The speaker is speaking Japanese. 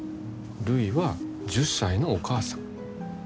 るいは１０歳のお母さん。